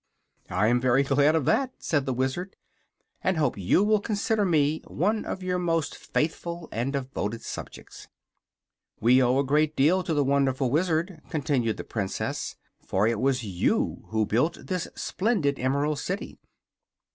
"I am very glad of that," said the Wizard, "and hope you will consider me one of your most faithful and devoted subjects." "We owe a great deal to the Wonderful Wizard," continued the Princess, "for it was you who built this splendid Emerald City."